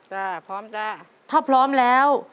พร้อมจ้าถ้าพร้อมแล้ว